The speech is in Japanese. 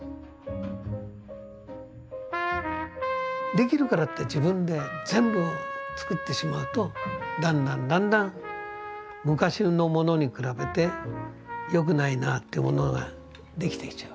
できるからって自分で全部作ってしまうとだんだんだんだん昔のものに比べて良くないなってものができてきちゃう。